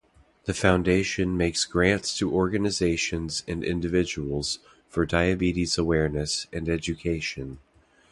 The Foundation makes grants to organizations and individuals for diabetes awareness and education.